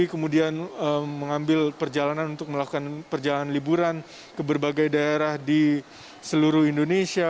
kemudian mengambil perjalanan untuk melakukan perjalanan liburan ke berbagai daerah di seluruh indonesia